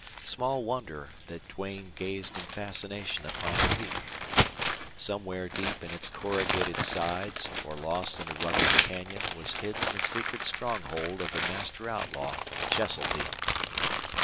Small wonder that Duane gazed in fascination upon the peak! Somewhere deep in its corrugated sides or lost in a rugged canyon was hidden the secret stronghold of the master outlaw Cheseldine.